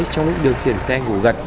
trong lúc điều khiển xe ngủ gật